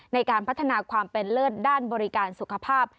ในการพัฒนาความเป็นเลิศด้านบริการสุขภาพ